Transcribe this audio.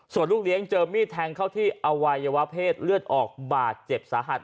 ส่วนลูกเลี้ยงเจอมีดแทงเข้าที่อวัยวะเพศเลือดออกบาดเจ็บสาหัส